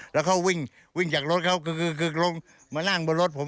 แล้วเขาวิ่งวิ่งจากรถเขาคือลงมานั่งบนรถผม